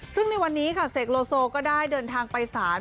ซึ่งในวันนี้ค่ะเสกโลโซก็ได้เดินทางไปศาล